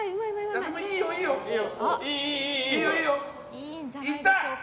いいよ、いいよ。いった！